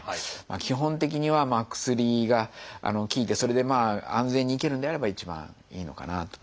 基本的には薬が効いてそれで安全にいけるのであれば一番いいのかなと。